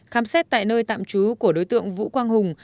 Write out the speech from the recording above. khám xét tại nơi tạm trú của đối tượng vũ quang hùng